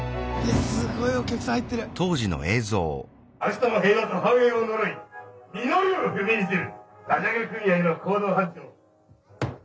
すっごいお客さん入ってる。